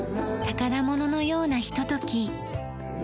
宝物のようなひととき。